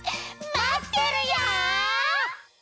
まってるよ！